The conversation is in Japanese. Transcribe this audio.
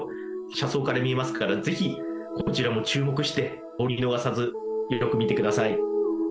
車窓から見えますからぜひこちらも注目してお見逃さずよく見てください。